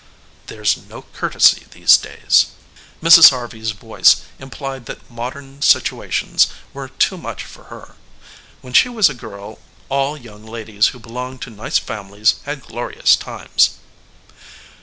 "There's no courtesy these days." Mrs. Harvey's voice implied that modern situations were too much for her. When she was a girl all young ladies who belonged to nice families had glorious times.